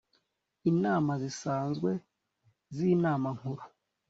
Inama zisanzwe z inama nkuru